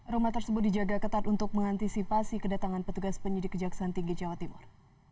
rumah tersebut dijaga ketat untuk mengantisipasi kedatangan petugas penyidik kejaksaan tinggi jawa timur